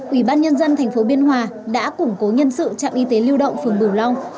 ủy ban nhân dân tp biên hòa đã củng cố nhân sự trạm y tế lưu động phương bửu long